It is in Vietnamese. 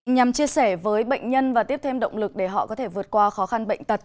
nhằm chia sẻ với bệnh nhân và tiếp thêm động lực để họ có thể vượt qua khó khăn bệnh tật